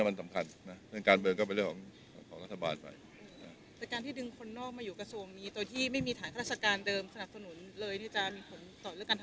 ตัวที่ไม่มีฐานราชการเดิมสนับสนุนเลยที่จะมีผลต่อเรื่องการทำงาน